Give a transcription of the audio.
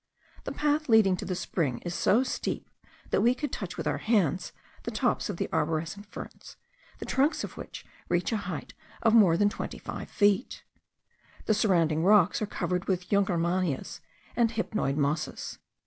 The path leading to the spring is so steep that we could touch with our hands the tops of the arborescent ferns, the trunks of which reach a height of more than twenty five feet. The surrounding rocks are covered with jungermannias and hypnoid mosses.